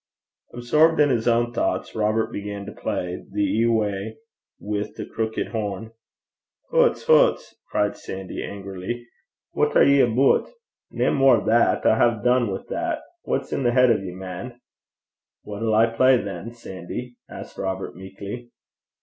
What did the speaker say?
Absorbed in his own thoughts, Robert began to play The Ewie wi' the Crookit Horn. 'Hoots! hoots!' cried Sandy angrily. 'What are ye aboot? Nae mair o' that. I hae dune wi' that. What's i' the heid o' ye, man?' 'What'll I play than, Sandy?' asked Robert meekly.